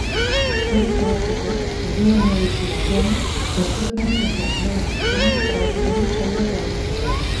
Hori frogatzeko, odol analisi batean estupefazienteak nola antzeman frogatuko du saioak laborategian.